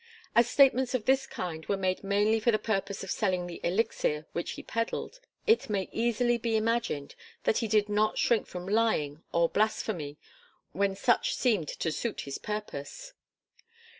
As statements of this kind were made mainly for the purpose of selling the elixir which he peddled, it may easily be imagined that he did not shrink from lying or blasphemy when such seemed to suit his purpose.